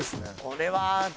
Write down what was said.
これは。